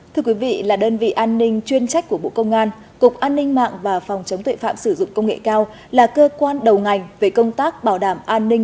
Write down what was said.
thưa quý vị là đơn vị an ninh chuyên trách của bộ công an cục an ninh mạng và phòng chống tuệ phạm sử dụng công nghệ cao là cơ quan đầu ngành về công tác bảo đảm an ninh